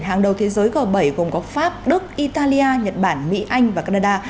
hàng đầu thế giới g bảy gồm có pháp đức italia nhật bản mỹ anh và canada